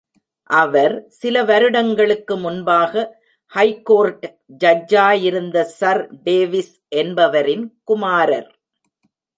அவர், சில வருடங்களுக்கு முன்பாக ஹைகோர்ட் ஜட்ஜாயிருந்த சர் டேவிஸ் என்பவரின் குமாரர்.